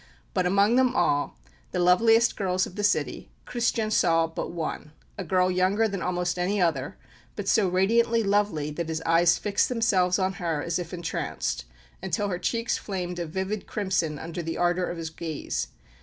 But among them all, the loveliest girls of the city, Christian saw but one a girl younger than almost any other, but so radiantly lovely that his eyes fixed themselves on her as if entranced, until her cheeks flamed a vivid crimson under the ardour of his gaze.